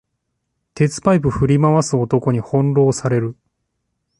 鉄パイプ振り回す男に翻弄される